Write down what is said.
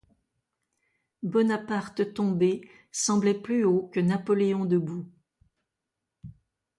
Bonaparte tombé semblait plus haut que Napoléon debout.